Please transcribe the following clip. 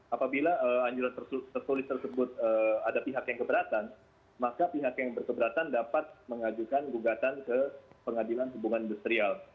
apabila anjuran tertulis tersebut ada pihak yang keberatan maka pihak yang berkeberatan dapat mengajukan gugatan ke pengadilan hubungan industrial